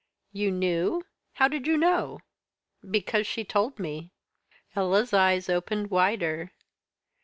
"You knew? How did you know?" "Because she told me." Ella's eyes opened wider.